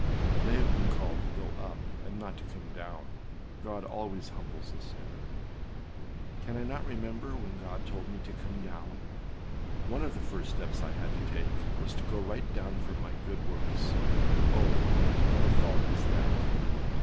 â They have been called to go up and not to come down. God always humbles a sinner. Can I not remember when Gold told me to come down? One of the first steps I had to take was to go right down from my good works; and oh! what a fall was that!